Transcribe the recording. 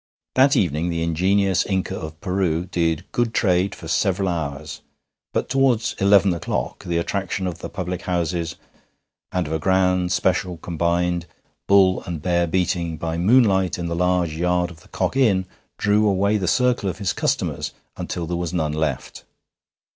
That evening the ingenious Inca of Peru did good trade for several hours, but towards eleven o'clock the attraction of the public houses and of a grand special combined bull and bear beating by moonlight in the large yard of the Cock Inn drew away the circle of his customers until there was none left.